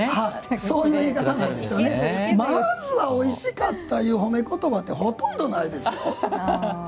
まずは、おいしかったいう褒めことばってほとんどないですよ。